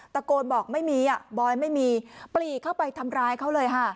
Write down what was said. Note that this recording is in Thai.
ตะโกนบอกไม่มีอ่ะบอยไม่มีปลีกเข้าไปทำร้ายเขาเลยค่ะ